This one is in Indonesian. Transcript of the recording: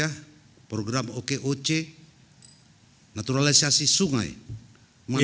f pertimbangan kerja akademi